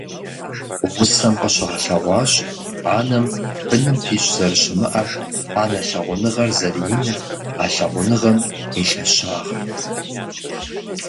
Усэм къыщыгъэлъэгъуащ анэм быным пищӀ зэрыщымыӀэр, анэ лъагъуныгъэр зэрыиныр, а лъагъуныгъэм и лъэщагъыр.